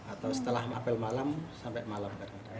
atau setelah apel malam sampai malam